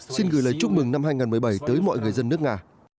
xin gửi lời chúc mừng năm hai nghìn một mươi bảy tới mọi người dân nước nga